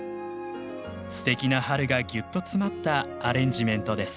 すてきな春がぎゅっと詰まったアレンジメントです。